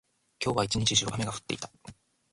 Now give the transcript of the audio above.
今日は一日中、雨が降っていた。